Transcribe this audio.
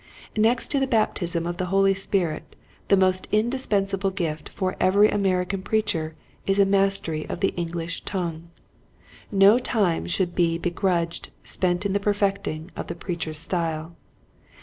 Next to the baptism of the Holy Spirit the most indispensable gift for every American preacher is a mastery of the English tongue. No time should be be grudged spent in the perfecting of the preacher's style.